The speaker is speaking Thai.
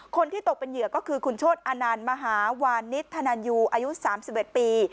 คนที่ตกเป็นเหยื่อก็คือคุณโชธอนันต์มหาวานิสธนันยูอายุ๓๑ปี